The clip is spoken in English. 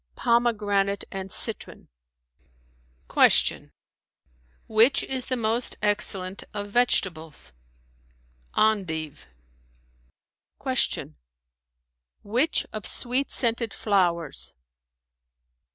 "Pomegranate and citron." Q "Which is the most excellent of vegetables?" "Endive.[FN#411]" Q "Which of sweet scented flowers?"